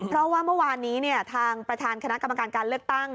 เพราะว่าเมื่อวานนี้ทางประธานคณะกรรมการการเลือกตั้ง